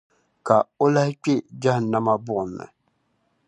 Ka o lahi kpe Jahannama buɣum ni.